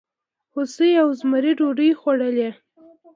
هوسۍ او زمري ډوډۍ خوړلې؟